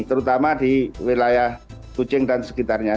terutama di wilayah kucing dan sekitarnya